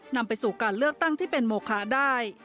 นำไปสู่การเลือกตั้งที่เป็นโมคะได้